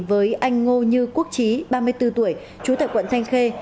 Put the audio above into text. với anh ngô như quốc trí ba mươi bốn tuổi trú tại quận thanh khê